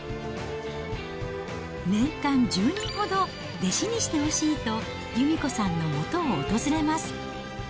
年間１０人ほど、弟子にしてほしいと、由美子さんのもとを訪れます。